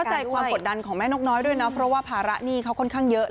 ใจความกดดันของแม่นกน้อยด้วยเนาะเพราะว่าภาระหนี้เขาค่อนข้างเยอะ